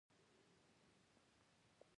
د سرپرست لخوا مو پوښتنې ځواب شوې.